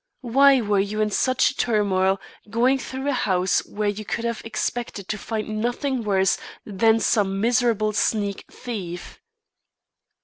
Why were you in such a turmoil going through a house where you could have expected to find nothing worse than some miserable sneak thief?"